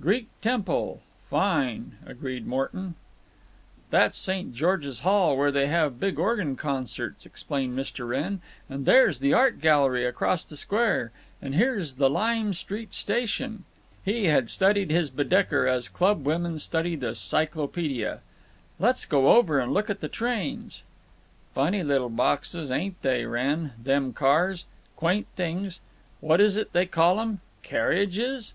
"Greek temple. Fine," agreed Morton. "That's St. George's Hall, where they have big organ concerts," explained Mr. Wrenn. "And there's the art gallery across the Square, and here's the Lime Street Station." He had studied his Baedeker as club women study the cyclopedia. "Let's go over and look at the trains." "Funny little boxes, ain't they, Wrenn, them cars! Quaint things. What is it they call 'em—carriages?